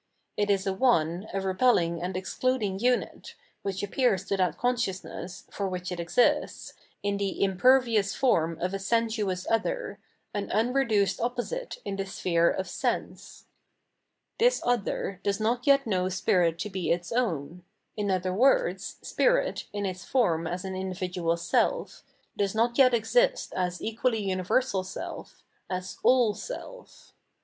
It is a one, a repelling and excluding unit, which appears to that consciousness, for which it exists, in the impervious form of a sensuous other, an unreduced opposite in the sphere of sense. 773 Revealed Religion This other does not yet know spirit to he its own; in other words, spirit, in its form as an individual self, does not yet exist as equally universal self, as all self.